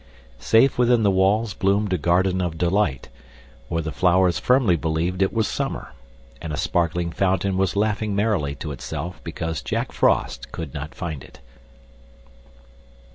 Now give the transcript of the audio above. Safe within the walls bloomed a Garden of Delight, where the flowers firmly believed it was summer, and a sparkling fountain was laughing merrily to itself because Jack Frost could not find it.